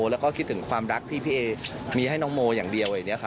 และคิดถึงความรักที่พี่เอ๊มีให้น้องโมอย่างเดียว